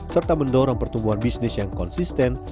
serta mendorong pertumbuhan bisnis yang konsisten